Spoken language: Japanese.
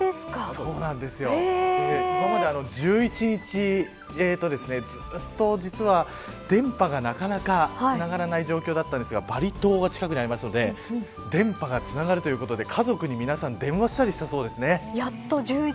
今まで１１日ずっと実は、電波がなかなかつながらない状況だったんですがバリ島が近くにあるので電波がつながるということで家族に皆さん電話したりしたそうですね。